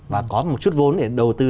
và có một chút vốn để đầu tư